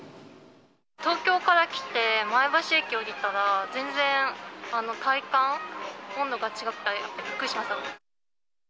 東京から来て、前橋駅降りたら、全然体感温度が違って、びっくりしました。